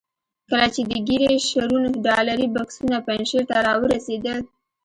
کله چې د ګیري شرون ډالري بکسونه پنجشیر ته را ورسېدل.